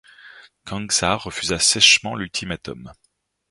Khangsar refusa sèchement l'ultimatum.